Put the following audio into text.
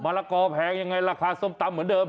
ละกอแพงยังไงราคาส้มตำเหมือนเดิม